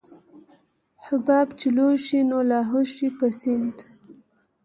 حباب چې لوى شي نو لاهو شي په سيند.